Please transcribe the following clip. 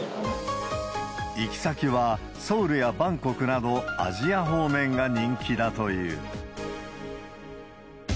行き先はソウルやバンコクなど、アジア方面が人気だという。